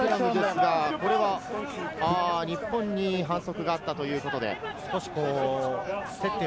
スクラムですが、これで日本に反則があったということで。